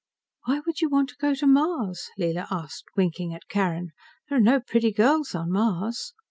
"Why would you want to go to Mars?" Leela asked, winking at Carrin. "There are no pretty girls on Mars."